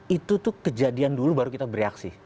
itu tuh kejadian dulu baru kita bereaksi